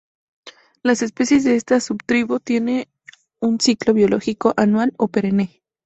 Las especies de esta subtribu tiene un ciclo biológico anual o perenne.